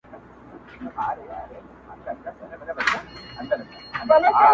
د کښتۍ د چلولو پهلوان یې!!